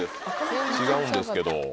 違うんですけど。